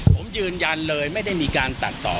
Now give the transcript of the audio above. ผมยืนยันเลยไม่ได้มีการตัดต่อ